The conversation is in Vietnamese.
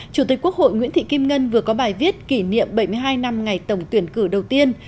chủ tịch quốc hội nguyễn thị kim ngân vừa có bài viết kỷ niệm bảy mươi hai năm ngày tổng tuyển cử đầu tiên